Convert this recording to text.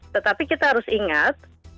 tetapi kita harus ingat